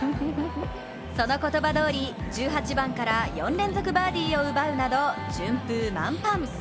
その言葉どおり、１８番から４連続バーディーを奪うなど順風満帆。